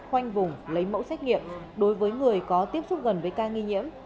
khoanh vùng lấy mẫu xét nghiệm đối với người có tiếp xúc gần với ca nghi nhiễm